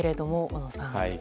小野さん。